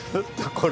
これ。